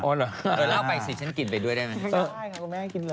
เออเล่าไปสิฉันกินไปด้วยได้ไหมครับไม่ได้ค่ะคุณแม่กินเลย